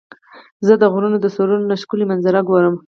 زه د غرونو د سرونو نه ښکلي منظره ګورم.